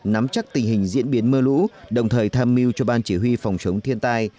nắm chắc tình hình diễn biến mưa lũ đồng thời tham mưu cho ban chỉ huy phòng chống thiên tai